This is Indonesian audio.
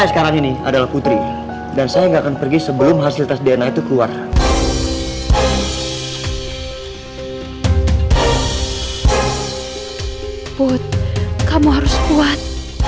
ya sudah kalau gitu kita lanjutkan makan